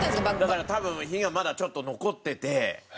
だから多分火がまだちょっと残ってて。